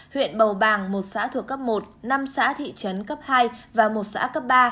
huyện bầu bàng một xã thuộc cấp một năm xã thị trấn cấp hai và một xã cấp ba